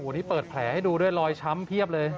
นี่เปิดแผลให้ดูด้วยรอยช้ำเพียบเลย